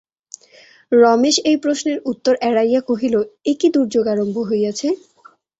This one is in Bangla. রমেশ এই প্রশ্নের উত্তর এড়াইয়া কহিল, এ কী দুর্যোগ আরম্ভ হইয়াছে!